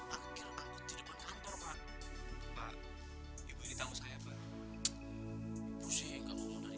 adalah tante fatimah sendiri